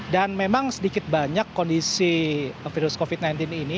dan memang sedikit banyak kondisi virus covid sembilan belas ini